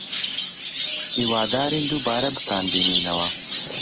هیوادارین دووبارە بتانبینینەوە.